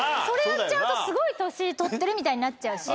それやっちゃうとすごい年取ってるみたいになっちゃう。